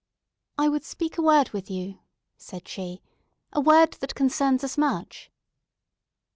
"I would speak a word with you," said she—"a word that concerns us much."